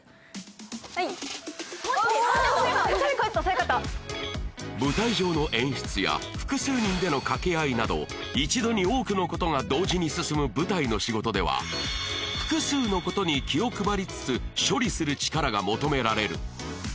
はいああそういうことそういうことなど一度に多くのことが同時に進む舞台の仕事では複数のことに気を配りつつ処理する力が求められる